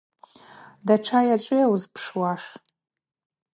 Датша ачӏвыйа уызпшуаш?